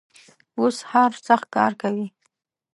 اوس هر سخت کار کوي.